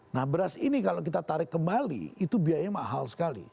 nah beras ini kalau kita tarik kembali itu biayanya mahal sekali